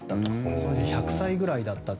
その時１００歳ぐらいだったと。